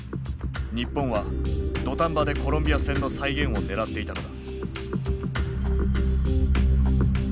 日本は土壇場でコロンビア戦の再現をねらっていたのだ。